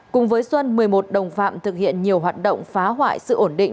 cùng với xuân một mươi một đồng phạm thực hiện nhiều hoạt động phá hoại sự ổn định